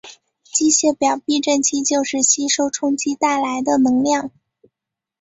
机械表避震器就是吸收冲击带来的能量。